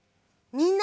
みんな。